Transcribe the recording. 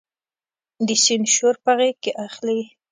د سیند شور په غیږ کې اخلي